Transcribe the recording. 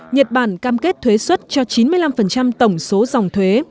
nhật bản cam kết thuế xuất cho chín mươi năm tổng số dòng thuế